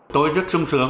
tôi rất sung sướng